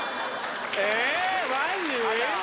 えマジ？